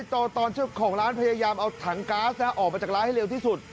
ตอนเจ้าของร้านพยายามเอาถังก๊าซออกมาจากร้านให้เร็วที่สุด